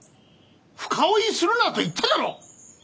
深追いするなと言っただろう！